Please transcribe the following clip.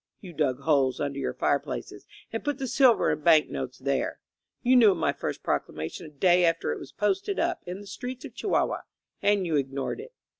You dug holes under your fireplaces and put the silver and bank notes there. You knew of my first proclamation a day after it was posted up in the streets of Chihuahua, and you ignored it.